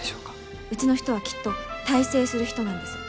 うちの人はきっと大成する人なんです。